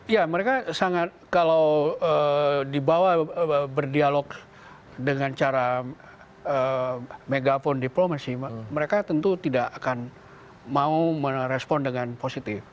ya mereka sangat kalau dibawa berdialog dengan cara megaphone diplomacy mereka tentu tidak akan mau merespon dengan positif